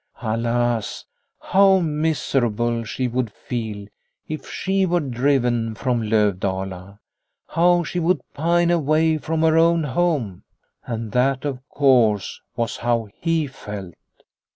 Alas, how miserable she would feel if she were driven from Lovdala. How she would pine, away from her own home ! And that, of course, was how he felt.